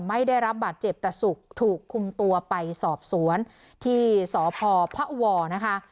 ไม่ได้รับบาดเจ็บแต่สุขถูกคุมตัวไปสอบสวนที่สพพวนะคะ